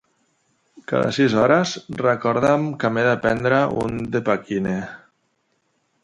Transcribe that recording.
Cada sis hores recorda'm que m'he de prendre un Depakine.